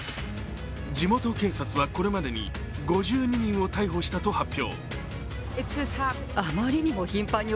地元警察は、これまでに５２人を逮捕したと発表。